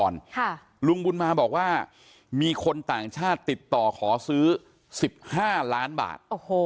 ค่ะลุงบุญมาบอกว่ามีคนต่างชาติติดต่อขอซื้อสิบห้าล้านบาทโอ้โห